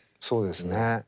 そうですね。